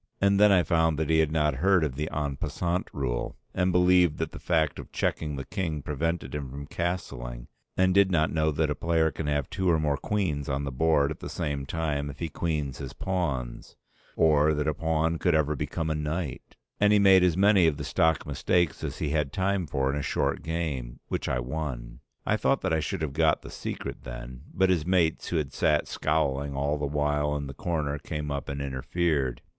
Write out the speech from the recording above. And then I found that he had not heard of the "en passant" rule, and believed that the fact of checking the king prevented him from castling, and did not know that a player can have two or more queens on the board at the same time if he queens his pawns, or that a pawn could ever become a knight; and he made as many of the stock mistakes as he had time for in a short game, which I won. I thought that I should have got at the secret then, but his mates who had sat scowling all the while in the corner came up and interfered.